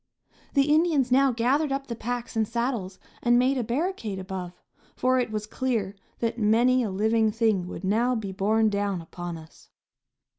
The Indians now gathered up the packs and saddles and made a barricade above, for it was clear that many a living thing would now be borne down upon us.